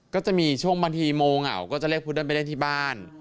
ก็จะมีช่วงบางทีโมเหงาก็จะเรียกพุเดิ้ไปเล่นที่บ้าน